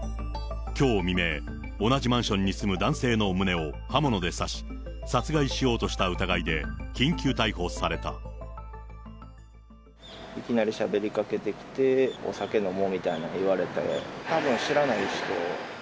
きょう未明、同じマンションに住む男性の胸を刃物で刺し、殺害しようとした疑いきなりしゃべりかけてきて、お酒飲もうみたいなこと言われて、たぶん知らない人。